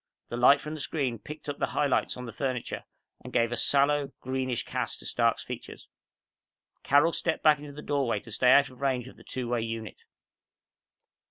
The light from the screen picked up the highlights on the furniture and gave a sallow, greenish cast to Stark's features. Carol stepped back into the doorway to stay out of range of the two way unit.